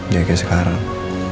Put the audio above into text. gak kayak sekarang